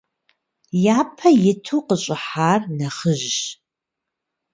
Япэ иту къыщӏыхьар нэхъыжьщ.